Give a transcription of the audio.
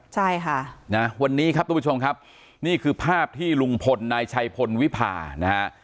ใช่ค่ะนะวันนี้ครับทุกผู้ชมครับนี่คือภาพที่ลุงพลนายชัยพลวิพานะฮะ